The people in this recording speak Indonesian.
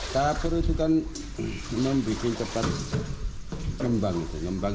kapur itu kan memang bikin cepat ngembang